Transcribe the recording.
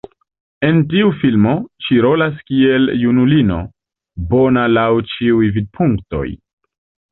En tiu filmo, ŝi rolas kiel junulino, bona laŭ ĉiuj vidpunktoj.